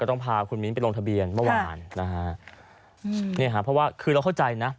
ต้องพาคุณมิ้นไปลงทะเบียนเมื่อวานนะฮะอืมเนี่ยฮะเพราะว่าคือเราเข้าใจนะ